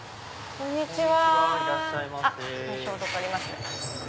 こんにちは。